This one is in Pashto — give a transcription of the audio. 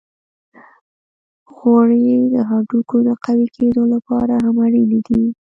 غوړې د هډوکو د قوی کیدو لپاره هم اړینې دي.